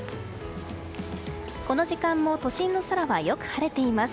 この時間も都心の空はよく晴れています。